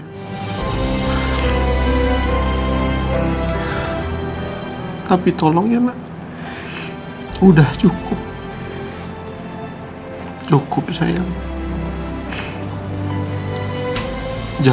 sampai jumpa lagi